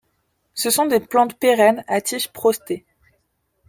Ce sont des plantes pérennes, à tiges prostées.